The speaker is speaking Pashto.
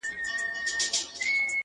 قربانو زړه مـي خپه دى دا څو عمـر’